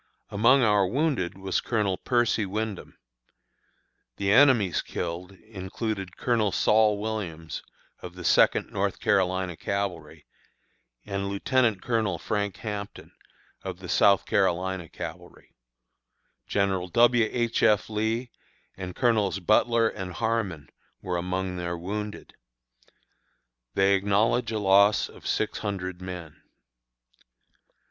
Among our wounded was Colonel Percy Wyndham. The enemy's killed included Colonel Saul Williams, of the Second North Carolina Cavalry, and Lieutenant Colonel Frank Hampton, of the South Carolina Cavalry; General W. H. F. Lee and Colonels Butler and Harmon were among their wounded. They acknowledge a loss of six hundred men.